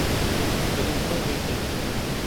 Dilê xwe veke.